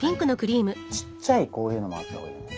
ちっちゃいこういうのもあったほうがいいね。